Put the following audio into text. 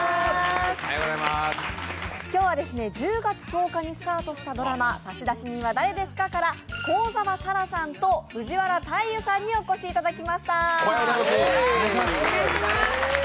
今日は１０月１０日にスタートしたドラマ「差出人は、誰ですか？」から幸澤沙良さんと藤原大祐さんにお越しいただきました。